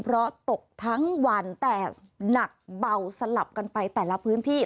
เพราะตกทั้งวันแต่หนักเบาสลับกันไปแต่ละพื้นที่